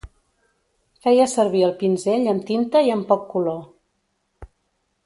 Feia servir el pinzell amb tinta i amb poc color.